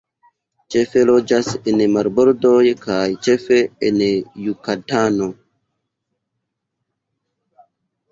Ĉefe loĝas en marbordoj kaj ĉefe en Jukatano.